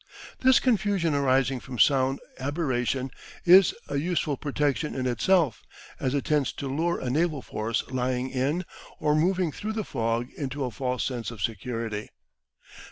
This confusion arising from sound aberration is a useful protection in itself, as it tends to lure a naval force lying in or moving through the fog into a false sense of security.